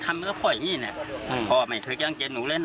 ทำก็พออย่างนี้พ่อไม่เคยกล้างเจเธอเลยนะ